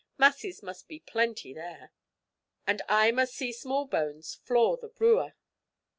Masses must be plenty there. And I must see Smallbones floor the brewer."